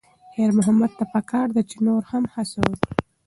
خیر محمد ته پکار ده چې نور هم هڅه وکړي.